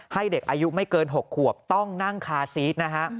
ให้เด็กอายุไม่เกิน๖ขวบต้องนั่งคาซีสนะฮะ